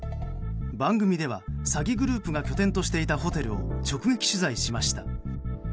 番組では、詐欺グループが拠点としていたホテルを直撃取材しました。